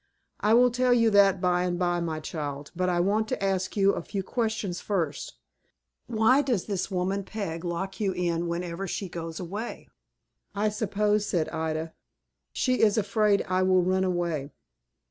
"I will tell you that by and by, my child; but I want to ask you a few questions first. Why does this woman Peg lock you in whenever she goes away?" "I suppose," said Ida, "she is afraid I will run away."